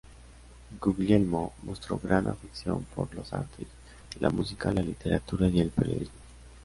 Guglielmo mostró gran afición por las artes, la música, la literatura y el periodismo.